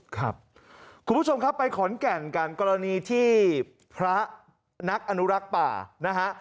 คุณผู้ชมครับไปขอนแก่นกันกรณีที่พระนักอนุรักษ์ป่านะฮะ